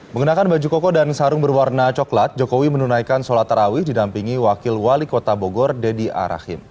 mengenakan baju koko dan sarung berwarna coklat jokowi menunaikan sholat tarawih didampingi wakil wali kota bogor deddy arahim